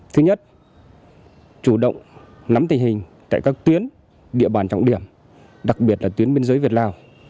thứ nhất chủ động nắm tình hình tại các tuyến địa bàn trọng điểm đặc biệt là tuyến biên giới việt lào